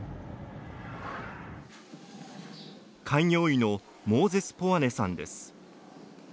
開業医のモーゼス・ポアネさんです。